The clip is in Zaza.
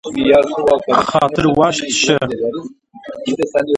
Xatir waşt şî